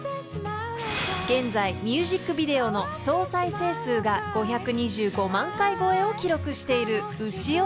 ［現在ミュージックビデオの総再生数が５２５万回超えを記録している汐れいら］